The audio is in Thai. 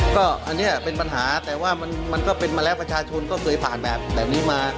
ก็อันนี้เป็นปัญหาแต่ว่ามันก็เป็นมาแล้วประชาชนก็เคยผ่านแบบนี้มา